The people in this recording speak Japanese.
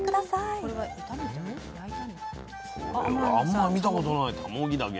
これはあんま見たことないたもぎたけ。